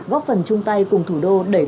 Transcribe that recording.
góp phần chung tay cùng thủ đô để lùi dịch bệnh